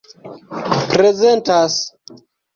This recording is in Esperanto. prezentas